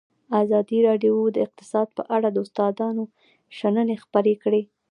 ازادي راډیو د اقتصاد په اړه د استادانو شننې خپرې کړي.